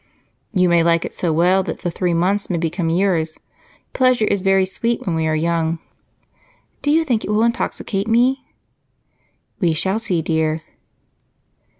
"You may like it so well that the three months may become years. Pleasure is very sweet when we are young." "Do you think it will intoxicate me?" "We shall see, my dear."